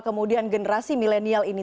kemudian generasi milenial ini